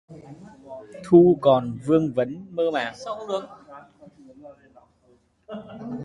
Thu còn vương vấn mơ màng